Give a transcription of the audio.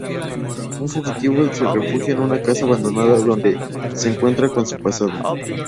Un fugitivo se refugia en una casa abandonada donde se reencuentra con su pasado.